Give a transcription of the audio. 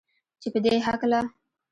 چې پدې هکله